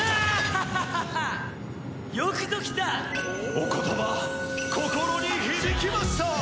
お言葉心に響きました！